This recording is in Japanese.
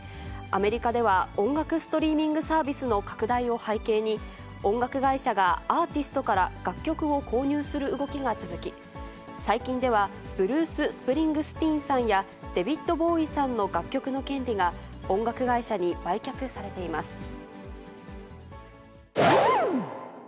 アメリカでは、音楽ストリーミングサービスの拡大を背景に、音楽会社がアーティストから楽曲を購入する動きが続き、最近では、ブルース・スプリングスティーンさんや、デビッド・ボウイさんの楽曲の権利が音楽会社に売却されています。